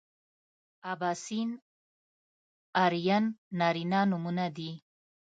اباسین ارین نارینه نومونه دي